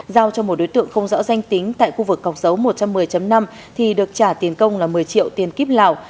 giao cho một đối tượng không rõ danh tính tại khu vực cọc dấu một trăm một mươi năm thì được trả tiền công là một mươi triệu tiền kíp lào